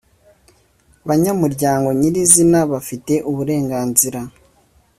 banyamuryango nyirizina Bafite uburenganzira